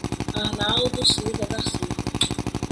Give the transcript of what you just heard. Arnaldo Silva da Silva